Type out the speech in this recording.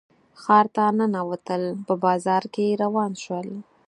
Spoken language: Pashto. ښار ته ننوتل په بازار کې روان شول.